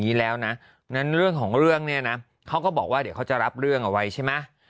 แล้วนะนั้นเรื่องของเรื่องเนี่ยนะเขาก็บอกว่าเดี๋ยวเขาจะรับเรื่องเอาไว้ใช่ไหม